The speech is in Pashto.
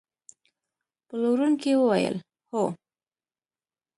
پلورونکي وویل: هو.